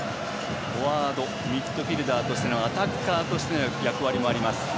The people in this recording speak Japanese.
フォワードミッドフィールダーとしてのアタッカーとしての役割もあります。